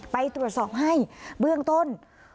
ไปตรวจสอบให้เบื้องต้น